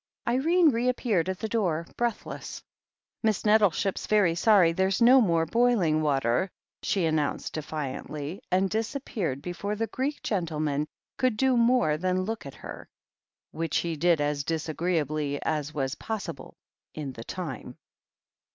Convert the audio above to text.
Irene reappeared at the door, breathless. "Miss Nettleship's very sorry, there's no more boil ing water," she announced defiantly, and disappeared before the Greek gentleman could do more than look at her, which he did as disagreeably as was possible in the time.